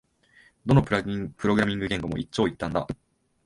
どのプログラミング言語も一長一短だ